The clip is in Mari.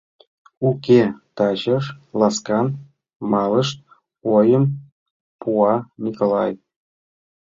— Уке, тачеш ласкан малышт, — ойым пуа Николай.